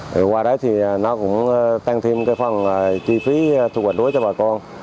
thì qua đấy thì nó cũng tăng thêm cái phần chi phí thu hoạch lúa cho bà con